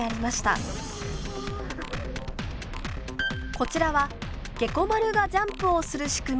こちらはゲコ丸がジャンプをする仕組み。